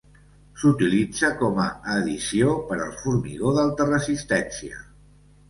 S'utilitza com a addició per al formigó d'alta resistència.